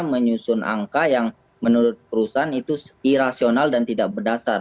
menyusun angka yang menurut perusahaan itu irasional dan tidak berdasar